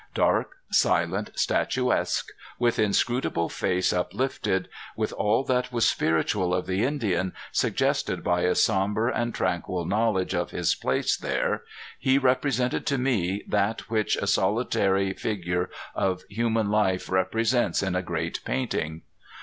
Dark, silent, statuesque, with inscrutable face uplifted, with all that was spiritual of the Indian suggested by a somber and tranquil knowledge of his place there, he represented to me that which a solitary figure of human life represents in a great painting.